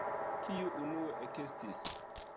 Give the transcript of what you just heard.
Kiu unue ekestis?